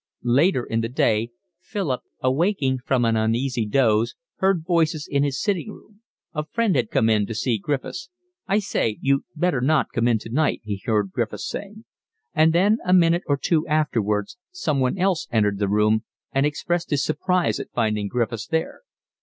Later in the day Philip, awaking from an uneasy doze, heard voices in his sitting room. A friend had come in to see Griffiths. "I say, you'd better not come in tonight," he heard Griffiths saying. And then a minute or two afterwards someone else entered the room and expressed his surprise at finding Griffiths there.